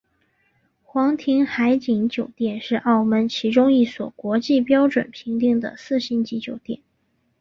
皇庭海景酒店是澳门其中一所国际标准评定的四星级酒店。